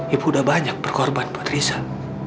ibu udah banyak berkorban buat rizal